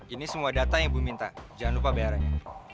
ini semua data yang bu minta jangan lupa bayarannya